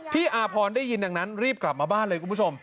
อาพรได้ยินดังนั้นรีบกลับมาบ้านเลยคุณผู้ชม